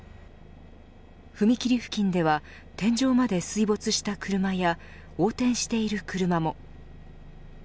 踏み切り付近では天井まで水没した車や横転している車も。